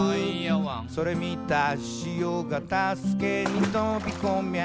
「それ見たしおが助けにとびこみゃ」